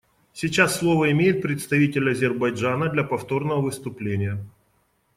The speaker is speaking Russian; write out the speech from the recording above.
Сейчас слово имеет представитель Азербайджана для повторного выступления.